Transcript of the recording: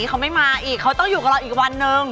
เค้าไม่มาอีกเค้าจะอยู่กับเราอีกวันนึง